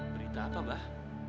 berita apa bah